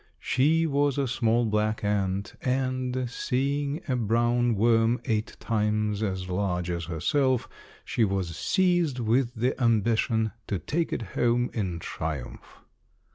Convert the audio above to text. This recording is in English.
She was a small, black ant, and, seeing a brown worm eight times as large as herself, she was seized with the ambition to take it home in triumph.